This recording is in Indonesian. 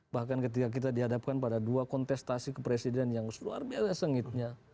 bahkan ketika kita dihadapkan pada dua kontestasi kepresiden yang luar biasa sengitnya